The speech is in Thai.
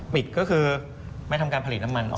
ปิดก็คือไม่ทำการผลิตน้ำมันออก